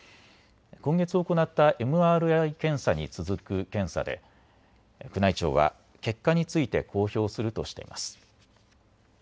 今月行ったＭＲＩ検査に続く検査で宮内庁は結果について公表するとしています。